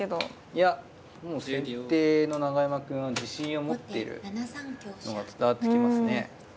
いやもう先手の永山くんは自信を持っているのが伝わってきますね。